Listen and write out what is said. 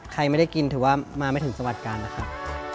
ใครไม่ได้กินถือว่ามาไม่ถึงสวัสดิการนะครับ